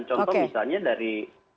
contoh misalnya dari